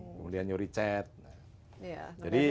kemudian nyuri cat